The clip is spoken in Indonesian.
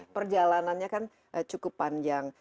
perjalanannya kan cukup panjang